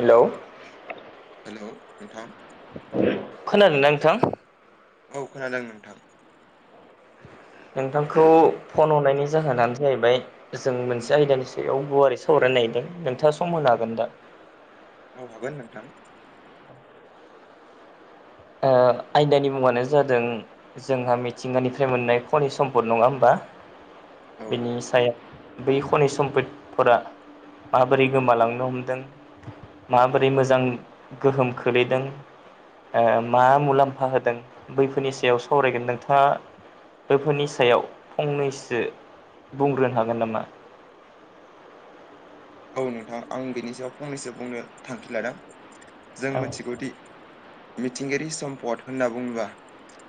Hello hello नोंथां खोनादोंना नोंथां औ खोनादों नोंथां नोंथांखौ फन हरनायनि जाहोनानो जाहैबाय जों मोनसे आयदानि सायाव गुवारै सावरायनो नागिरदों नोंथाङा सम होनो हागोन दा औ हागोन नोंथां। ओ आयदानि मुङानो जादों जोंहा मिथिंगानिफ्राय मोननाय खनि सम्पद नङा होमबा औ बेनि सायाव बै खनि सम्पतफोरा माबोरै गोमालांनो हमदों माबोरै मोजां गोहोम खोलैदों ओ मा मुलाम्फा होदों बैफोरनि सायाव सावरायगोन नोंथाङा बेफोरनि सायाव फंनैसो बुंग्रोनो हागोन नामा? औ नोंथां आं बेनि सायाव फंनैसो बुंनो थांखि लादों। जों औ मिथिगौदि मिथिंगायारि सम्पद होनना बुङोबा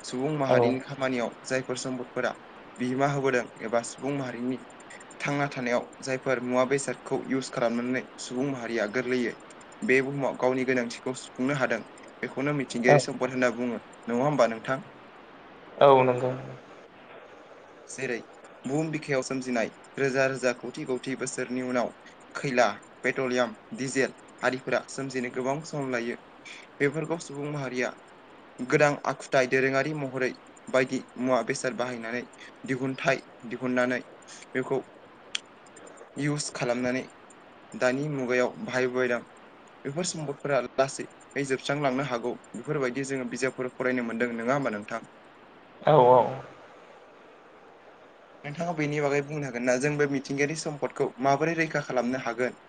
सुबुं औ माहारिनि खा मानियाव जायफोर सम्पदफोरा बिहोमा होबोदों एबा सुबुं माहारिनि थांना थानायाव जायफोर मुवा बेसादखौ इउस खालामनानै सुबुं माहारिया गोरलैयै बे बुहुमाव गावनि गोनांथिखौ सुफुंनो हादों बेखौनो मि औ थिंगायारि सम्द होन बुङो नङा होमबा नोंथां? औ नंगौ। जेरै बहुम बिखायाव सोमजिनाय रोजा रोजा खौथि खौथि बोसोरनि उनाव खैला पेट्रलियाम डिजेल आरिफोरा सोमजिनो गोबां सम लायो बेफोरखौ सुबुं माहारिया गोदां आखुथाय दोरोङारि महरै बायदि मुवा बेसाद बाहायनानै दिहुनथाइ दिहुननानै बेखौ इउस खालामनानै दानि मुगायाव बाहाय बायदां बेफोर सम्पदफोरा लासै ओइ जोबस्रांलांनो हागौ बेफोरबायदि जोङो बिजाबफोर फरायनो मोनदों नोङा होमबा नोंथां? औ औ नोंथाङा बेनि बागै बुंनो हागोन ना जों बे मिथिंगायारि सम्पदखौ माबोरै रैखा खालामनो हागोन?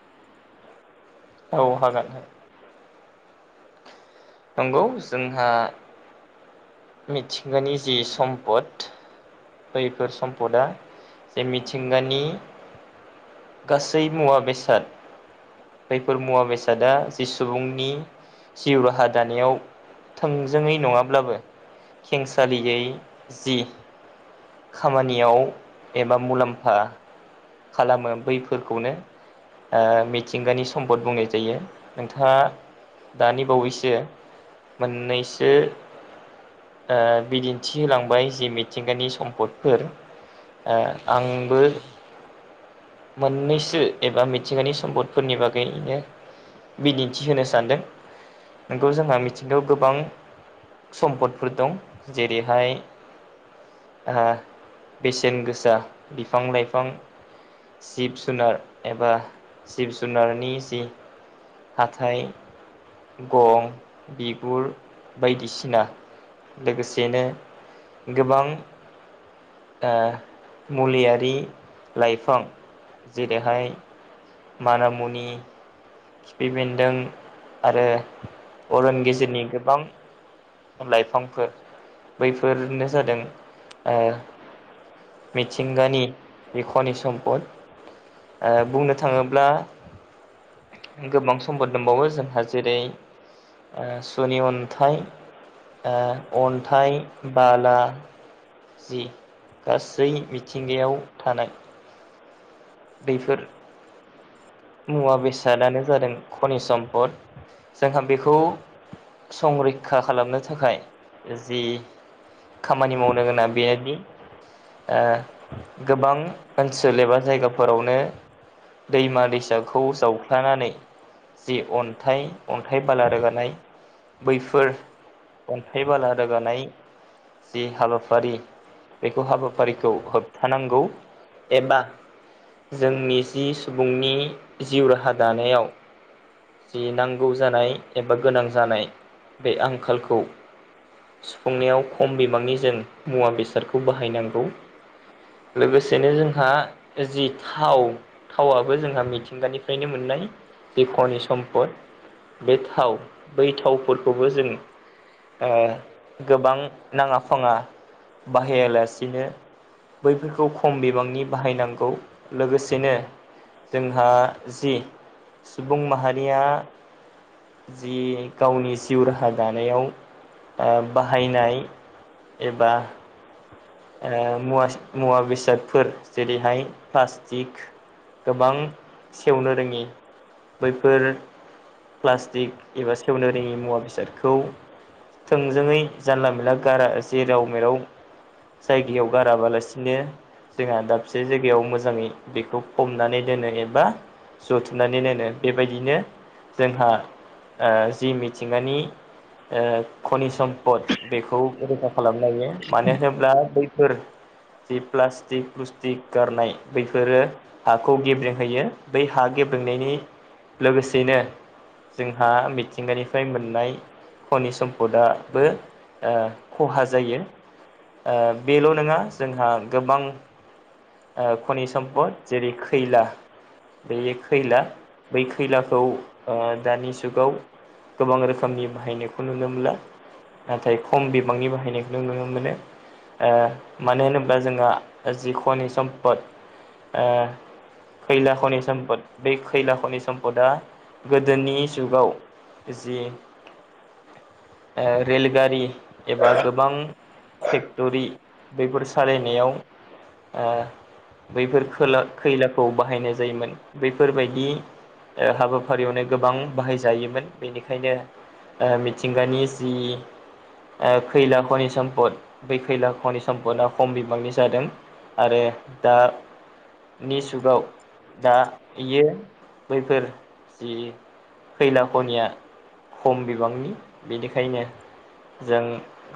औ हागोन। नंगौ जोंहा मिथिंगानि जि सम्पद बैफोर सम्पदा जे मिथिंगानि गासै मुवा बेसाद जायफोर मुवा बेसादा जि सुबुंनि जिउ राहा दानायाव थोंजोङै नङाब्लाबो खेंसालियै जि खामानियाव एबा मुलाम्फा खालामो बैफोरखौनो ओ मिथिंगानि सम्पद बुंनाय जायो नोंथाङा दानि बावैसो मोननैसो ओ बिदिन्थि होलांबाय जे मिथिंगानि सम पदफोर ओ आंबो मोननैसो एबा मिथिंगानि सम्पदफोरनि बागैनो इ बिदिन्थि होनो सानदों नोंगौ जोंहा मिथिंगायाव गोबां सम्पदफोर दं जेरैहाय आ बेसेन गोसा बिफां लाइफां जिब जुनार एबा जिब जुनारनि जि हाथाय गं बिगुर बायदिसिना लोगोसेनो गोबां ओ मुलियारि लाइफां जेरैहाय मानामुनि खिफि बेन्दों आरो अरन गेजेरनि गोबां लाइफांफोर बैफोरनो जादों ओ मिथिंगानि इखनि सम्पद ओ बुंनो थाङोब्ला गोबां समफोर दंबावो जोंहा जेरै ओ सुनि अन्थाइ ओ अन्थाइ बाला जि गासै मिथिंगायाव थानाय बैफोर मुवा बेसादानो जादों खनि सम्पद जोंहा बेखौ संरैखा खालामनो थाखाय जि खामानि मावनो गोनां बेआदि ओ गोबां ओनसोल एबा जायगाफोरावनो दैमा दैसाखौ जावख्लानानै जि अन्थाइ अन्थाइ बाला रोगानाय बैफोर अन्थाइ बाला रोगानाय जि हाबाफारि बेखौ हाबाफारिखौ होबथानांगौ एबा जोंनि जि सुबुंनि जिउ राहा दानायाव जि नांगौ जानाय एबा गोनां जानाय बे आंखालखौ सुफुंनायाव खम बिबांनि जों मुवा बेसादखौ बाहायनांगौ लोगोसेनो जोंहा जि थाव थावाबो जोंहा मिथि गानिफ्रायनो मोननाय दिख'नि सम्पद बे थाव बै थावफोरखौबो जों गोबां नाङा फाङा बाहायालासिनो बैफोरखौ खम बिबांनि बाहायनांगौ लोगोसेनो जोंहा जि सुबुं माहारिया जि गावनि जिउ राहा दानायाव बाहायनाय एबा ओ मुवास मुवा बेसादफोर जेरैहाय प्लास्टिक गोबां सेवनो रोङि बैफोर प्लास्टिक एबा सेवनो रोङि मुवा बेसादखौ थोंजोङै जानला मोनानला गारा जेराव मेराव जायगायाव गाराबालासिनो जोंहा दाबसे जायगायाव मोजाङै बेखौ हमनानै दोनो ए बा जथुमनानै दोनो बेबायदिनो जोंहा जि मिथिंगानि खनि सम्पद बेखौ रैखा खालामनो हायो मानो होनोब्ला बैफोर जि प्लास्टिक प्लुस्टिक गारनाय बैफोरो हाखौ गेब्रेंहोयो बै हा गेब्लेंनायनि लोगोसेनो जोंहा मिथिंगानिफ्राय मोननाय खनि सम्पदाबो खहा जायो बेल' नङा जोंहा गोबां खनि सम्पद जेरै खैला बे खैला बै खैलाखौ दानि जुगाव गोबां रोखोमनि बाहायनायखौ नुनो मोनला नाथाय खम बिबांनि बाहायनायखौ न नुनो मोनो मानो होनोब्ला जोंहा जिखनि सम्पद खैला खनि सम्पद बे खैला खनि सम्पदा गोदोनि जुगाव जि रेलगारि एबा गोबां फेक्टरि बेफोर सालायनायाव बैफोर खोला खैलाखौ बाहायनाय जायोमोन बैफोरबायदि हाबाफारियावनो गोबां बाहायजायोमोन बेनिखायनो मिथिंगानि जि खैला खनि सम्पद बै खैला खनि सम्पदआ खम बिबांनि जादों आरो दानि जुगाव दा इयो बैफोर जि खैला खनिया खम बिबांनि बेनिखायनो जों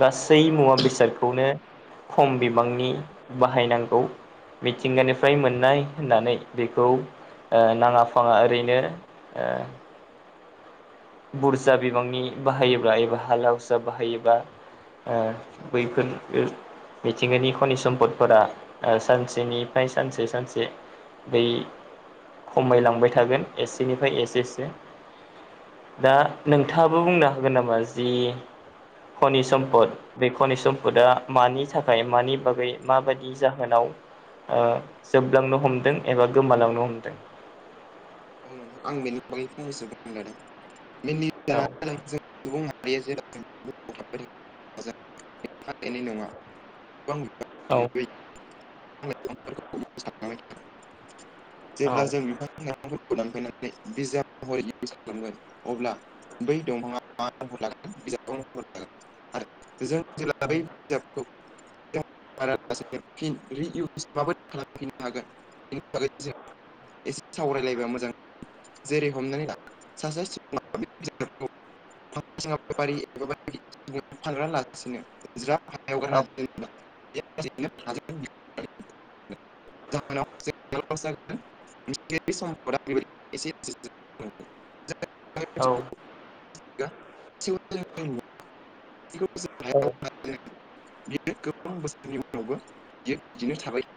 गासै मुवा बेसादखौनो खम बिबांनि बाहायनांगौ मिथिंगानिफ्राय मोननाय होननानै बेखौ नाङा फाङा ओरैनो बुरजा बिबांनि बाहायोब्ला एबा हाला हुसा बाहायोब्ला बैफोर मिथिंगानि खनि सम्पदफोरा सानसेनिफ्राय सानसे सानसे बै खमायलांबाय थागोन एसेनिफ्राय एसेसो दा नोंथाङाबो बुंनो हागोन नामा जि हनि सम्पद बे खनि सम्पुदआ मानि थाखाय मानि बागै माबायदि जाहोनाव। जोबलांनो हमदों एबा गोमालांनो हमदों। औ [unintelligible] [unintelligible] औ। गोबां [unintelligible] [unintelligible] [unintelligible] [unintelligible] [unintelligible] औ [unintelligible] [unintelligible] [unintelligible] औ। [unintelligible] औ [unintelligible]